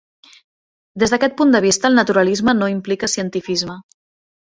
Des d'aquest punt de vista, el naturalisme no implica cientifisme.